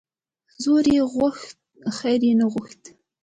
ـ زوی یې غوښت خیر یې نه غوښت .